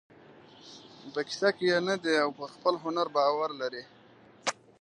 په کیسه کې یې نه دی او پر خپل هنر باور لري.